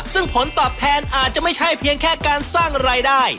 ซึ่งผลตอบแทนอาจจะไม่ใช่เพียงแค่การสร้างรายได้